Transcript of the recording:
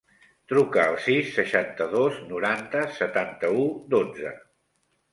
Truca al sis, seixanta-dos, noranta, setanta-u, dotze.